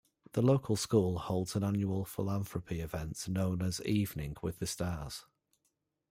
The local school holds an annual philanthropy event known as Evening with the Stars.